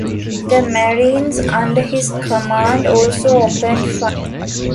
The marines under his command also opened fire.